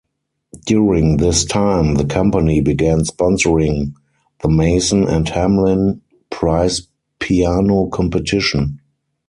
During this time the company began sponsoring the Mason and Hamlin Prize piano competition.